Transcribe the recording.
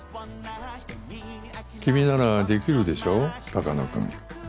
君ならできるでしょ鷹野君。